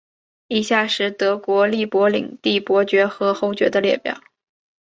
以下是德国利珀领地伯爵和侯爵的列表。